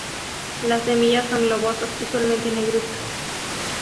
Las semillas son globosas, usualmente negruzcas.